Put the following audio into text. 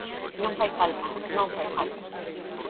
Non fai falta, non fai falta.